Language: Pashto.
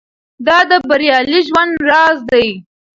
دا د بریالي ژوند راز دی.